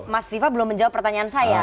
mas viva belum menjawab pertanyaan saya